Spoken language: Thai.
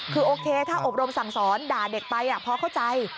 คือโอเคถ้าอบรมสั่งสอนด่าเด็กไปพอเข้าใจ